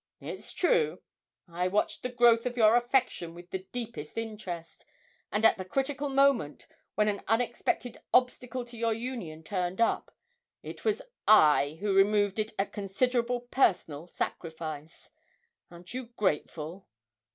It's true. I watched the growth of your affection with the deepest interest, and at the critical moment, when an unexpected obstacle to your union turned up, it was I who removed it at considerable personal sacrifice. Aren't you grateful?